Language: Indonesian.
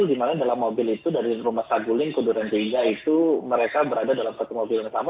dimana dalam mobil itu dari rumah saguling ke durantiga itu mereka berada dalam satu mobil yang sama